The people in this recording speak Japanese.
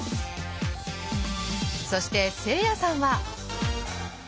そしてせいやさんは。